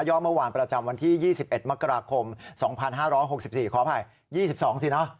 เมื่อวานประจำวันที่๒๑มกราคม๒๕๖๔ขออภัย๒๒สิเนอะ